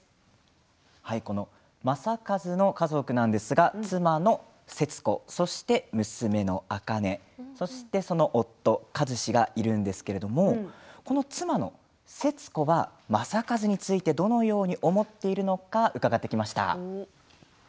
正一の家族なんですが妻の節子、そして娘の茜その夫、和志がいるんですけれど妻の節子は正一についてどのように思っているのか伺ってきました。